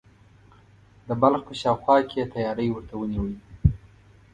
د بلخ په شاوخوا کې یې تیاری ورته ونیوی.